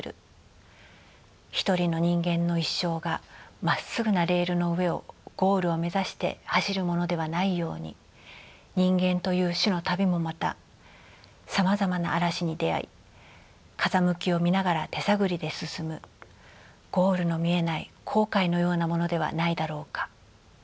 一人の人間の一生がまっすぐなレールの上をゴールを目指して走るものではないように人間という種の旅もまたさまざまな嵐に出会い風向きを見ながら手探りで進むゴールの見えない航海のようなものではないだろうか」。